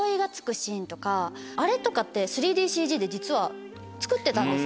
あれとかって３ＤＣＧで実は作ってたんです。